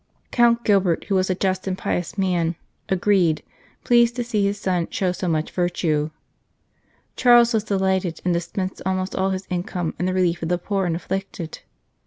Count Gilbert, who was a just and pious man, agreed, pleased to see his son show so much virtue. Charles was delighted, and dis pensed almost all his income in the relief of the poor and afflicted.